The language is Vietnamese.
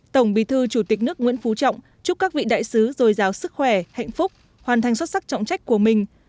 tổng bí thư chủ tịch nước nguyễn phú trọng chúc các vị đại sứ dồi dào sức khỏe hạnh phúc hoàn thành xuất sắc trọng trách của mình